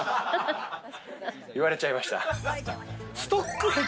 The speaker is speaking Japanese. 言われちゃいました。